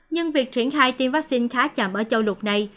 nhưng việc triển khai tiêm vaccine khá chậm ở châu lục này